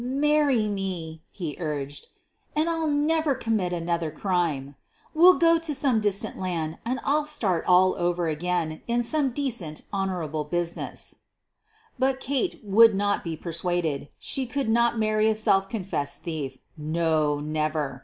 " Marry me," he urged, "and I'll never commit another crime. We'll go to some distant land and QUEEN OF THE BURGLARS 45 I'll start all over again in some decent, honorable business. '' But Kate would not be persuaded. She could not marry a self confessed thief — no, never!